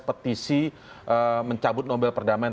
petisi mencabut nobel perdamaian